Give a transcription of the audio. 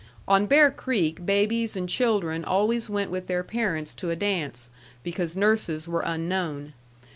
On Bear Creek babies and children always went with their parents to a dance, because nurses were unknown.